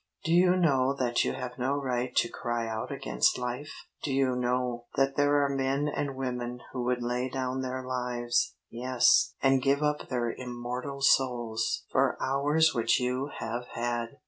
"Do you know that you have no right to cry out against life? Do you know that there are men and women who would lay down their lives yes, and give up their immortal souls for hours which you have had?